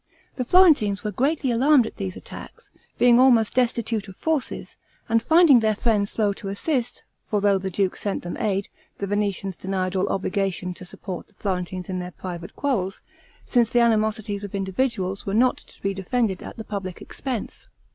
The Florentines were greatly alarmed at these attacks, being almost destitute of forces, and finding their friends slow to assist; for though the duke sent them aid, the Venetians denied all obligation to support the Florentines in their private quarrels, since the animosities of individuals were not to be defended at the public expense.